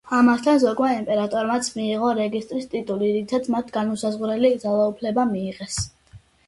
ამასთან ზოგმა იმპერატრიცამ მიიღო რეგენტის ტიტული, რითაც მათ განუსაზღვრელი ძალაუფლება მიიღეს.